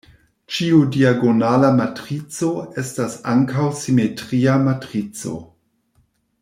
Ĉiu diagonala matrico estas ankaŭ simetria matrico.